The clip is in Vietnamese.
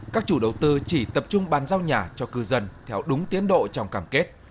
các chủ đầu tư chỉ tập trung bàn giao nhà cho cư dân theo đúng tiến độ trong cảm kết